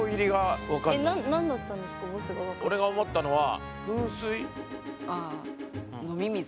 俺が思ったのは噴水。